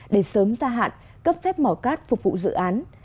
để sớm ra hạn cấp phép mỏ cát phục vụ dự án